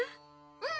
うん。